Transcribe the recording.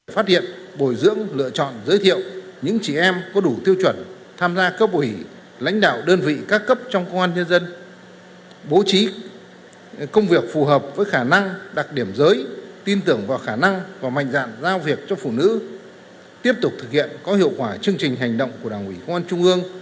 phát hiện bồi dưỡng lựa chọn giới thiệu những chị em có đủ tiêu chuẩn tham gia cấp ủy lãnh đạo đơn vị các cấp trong công an nhân dân bố trí công việc phù hợp với khả năng đặc điểm giới tin tưởng vào khả năng và mạnh dạn giao việc cho phụ nữ tiếp tục thực hiện có hiệu quả chương trình hành động của đảng ủy công an trung ương